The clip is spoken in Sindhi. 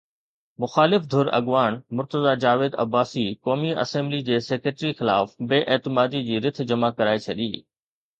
مخالف ڌر اڳواڻ مرتضيٰ جاويد عباسي قومي اسيمبلي جي سيڪريٽري خلاف بي اعتمادي جي رٿ جمع ڪرائي ڇڏي.